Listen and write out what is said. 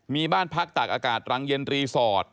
มีบ้านพักตากอากาศรังเย็นรีสอร์ท